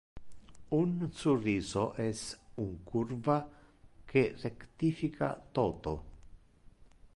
Un surriso es un curva que rectifica toto!